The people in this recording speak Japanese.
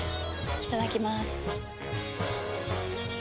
いただきまーす。